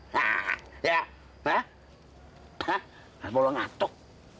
hah mas polo ngantuk